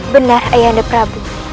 benar ayah hendra prabu